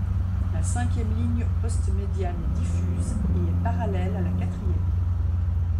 La cinquième ligne postmédiane est diffuse et est parallèle à la quatrième.